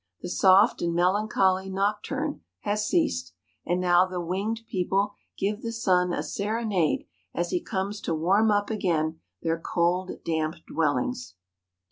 The soft and melancholy nocturne has ceased ; and now the winged people give the sun a serenade as he comes to warm up again their cold, damp dwellings.